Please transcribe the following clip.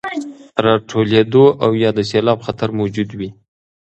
راټولېدو او يا د سيلاب خطر موجود وي،